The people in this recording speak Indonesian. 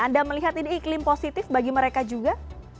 anda melihat ini iklim positif bagi mereka juga